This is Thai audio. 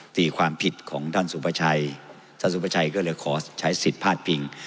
ตีความผิดของท่านสุภาชัยท่านสุภาชัยก็เลยขอใช้สิทธิ์พาดพิง